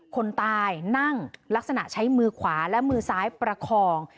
คนตายนั่งลักษณะใช้มือขวาและมือซ้ายประคอง